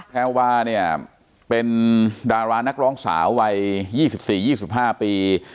แพรวาเนี่ยเป็นดารานักร้องสาววัย๒๔๒๕ปี